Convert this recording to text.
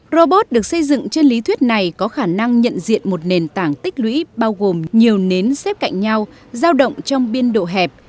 robot được xây dựng trên lý thuyết này có khả năng nhận diện một nền tảng tích lũy bao gồm nhiều nến xếp cạnh nhau giao động trong biên độ hẹp